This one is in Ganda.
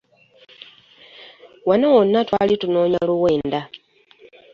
Wano wonna twali tunoonya luwenda.